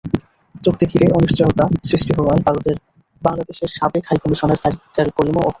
চুক্তি ঘিরে অনিশ্চয়তা সৃষ্টি হওয়ায় ভারতের বাংলাদেশের সাবেক হাইকমিশনার তারিক করিমও অখুশি।